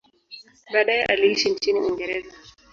Baadaye aliishi nchini Uingereza.